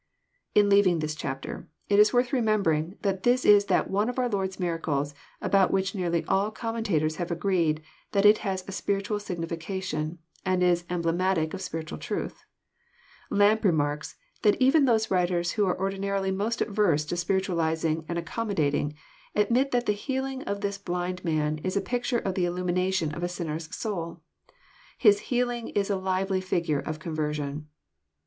In leaving this chapter, It is worth remembering that this is that one of our Lord's miracles about which nearly all commen tators have agreed that it has a spiritual signification, and is emblematic of spiritual truth. Lampe remarks, that even those writers who are ordinarily most averse to spiritualizing , and accommodating, admit that the healing of this blind man is a picture of the illumination of a sinner's soul. His healing is a lively figure of conversion.